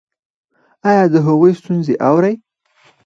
ایا د هغوی ستونزې اورئ؟